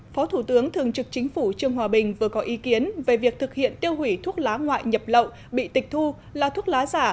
phó thủ tướng thường trực chính phủ trương hòa bình vừa có ý kiến về việc thực hiện tiêu hủy thuốc lá ngoại nhập lậu bị tịch thu là thuốc lá giả